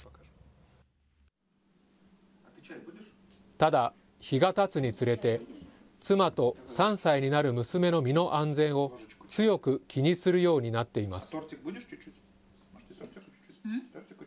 ただ、日がたつにつれて、妻と３歳になる娘の身の安全を強く気にするようになっています。